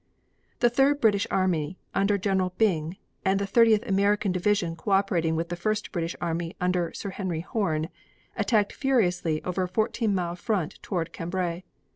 The Third British army under General Byng and the Thirtieth American division co operating with the First British army under Sir Henry Horne, attacked furiously over a fourteen mile front toward Cambrai.